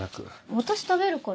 私食べるから。